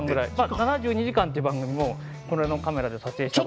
「７２時間」という番組もこれのカメラで撮影したことが。